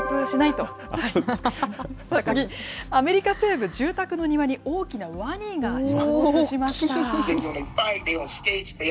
次、アメリカ西部の住宅の庭に、大きなワニが出没しました。